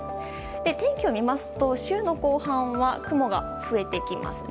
天気を見ますと、週の後半は雲が増えてきますね。